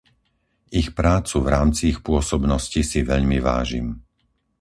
Ich prácu v rámci ich pôsobnosti si veľmi vážim.